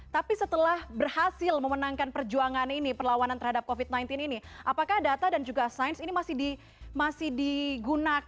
tapi setelah berhasil memenangkan perjuangan ini perlawanan terhadap covid sembilan belas ini apakah data dan juga sains ini masih digunakan